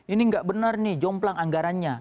ini nggak benar nih jomplang anggarannya